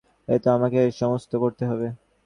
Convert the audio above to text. এ তো আমাকেই সমস্ত করতে হবে।